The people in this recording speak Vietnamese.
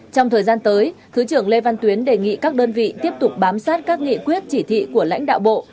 trong thời gian tới thứ trưởng lê văn tuyến đề nghị các đơn vị tiếp tục bám sát các nghị quyết chỉ thị của lãnh đạo bộ